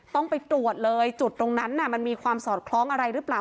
ต้องไปตรวจเลยจุดตรงนั้นมันมีความสอดคล้องอะไรหรือเปล่า